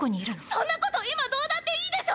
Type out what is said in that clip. そんなこと今どうだっていいでしょ！！